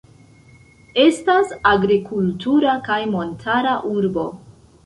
Estas agrikultura kaj montara urbo.